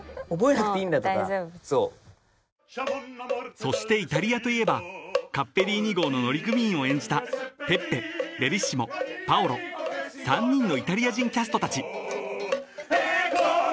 ［そしてイタリアといえばカッペリーニ号の乗組員を演じたペッペベリッシモパオロ３人のイタリア人キャストたち］